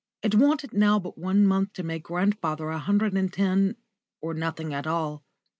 It wanted now but one month to make grandfather a hundred and ten or nothing at all.